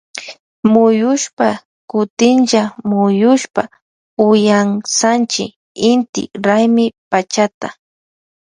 Muyushpa kutinlla muyushpa uyansanchi inti raymi pachata.